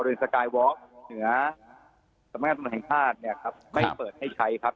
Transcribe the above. ลลินสกายวอกเหนือสมัครสุนใหญ่ภาชไม่เปิดให้ใช้ครับ